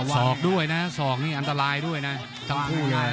สอกด้วยนะสอกนี่อันตรายด้วยนะ